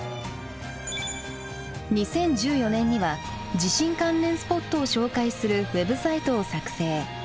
２０１４年には地震関連スポットを紹介するウェブサイトを作成。